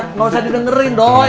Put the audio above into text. nggak usah didengerin doi